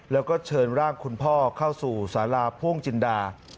แล้วก็เชิญร่างคุณพ่อเข้าสู่สาราพ่วงจินดา